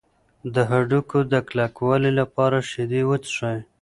د هډوکو د کلکوالي لپاره شیدې وڅښئ.